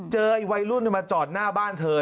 เจอไอว่ยรุ่นนี้มาจอดหน้าบ้านเถอะ